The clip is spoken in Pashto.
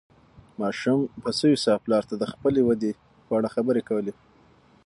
ماشوم په سوې ساه پلار ته د خپلې ودې په اړه خبرې کولې.